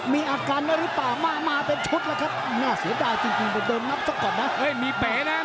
มีอาการแล้วหรือปะ